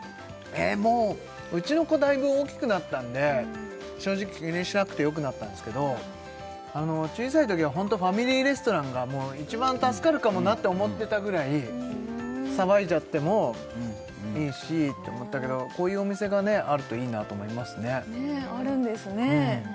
もううちの子だいぶ大きくなったんで正直気にしなくてよくなったんですけど小さいときはホントファミリーレストランが一番助かるかもなって思ってたぐらい騒いじゃってもいいしって思ったけどこういうお店があるといいなと思いますねねえあるんですね